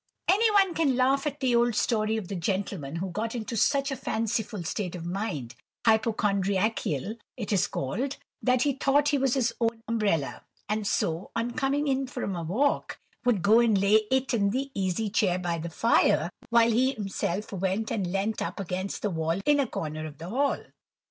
Anyone can laugh at the old story of the gentleman who got into such a fanciful state of mind—hypochondriacal, it is called—that he thought he was his own umbrella; and so, on coming in from a walk, would go and lay it in the easy chair by the fire, while he himself went and leant up against the wall in a corner of the hall.